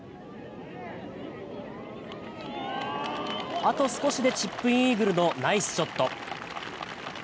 あと少しでチップインイーグルのナイスショット。